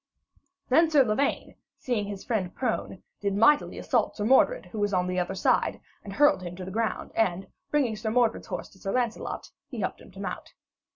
Then Sir Lavaine, seeing his friend prone, did mightily assault Sir Mordred, who was on the other side, and hurled him to the ground; and, bringing Sir Mordred's horse to Sir Lancelot, he helped him to mount.